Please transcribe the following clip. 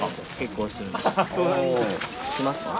しますか？